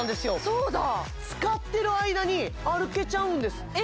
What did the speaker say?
そうだ使ってる間に歩けちゃうんですえ